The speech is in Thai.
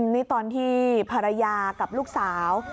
นี่ตอนที่ภรรยากับลูกสาว